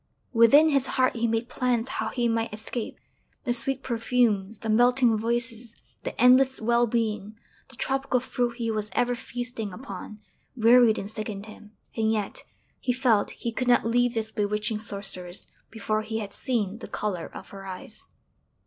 Within his heart he made plans how he might escape. The sweet perfumes, the melting voices, the endless well being, the tropical fruit he was ever feasting upon, wearied and sickened him; and yet he felt he could not leave this bewitching sorceress before he had seen the colour of her eyes.